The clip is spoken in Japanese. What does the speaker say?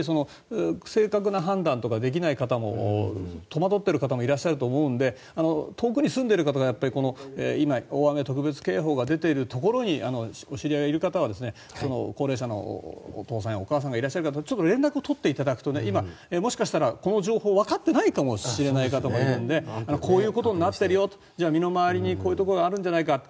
正確な判断とかできない方も戸惑っている方もいらっしゃると思うので遠くに住んでいる方は今、大雨特別警報が出ているところにお知り合いがいる方は高齢者のお父さんやお母さんがいらっしゃる方はちょっと連絡を取っていただくと今、もしかしたらこの情報をわかっていないかもしれない方もいるかもしれないのでこういうことになっているよと身の回りにこういうところがあるんじゃないか。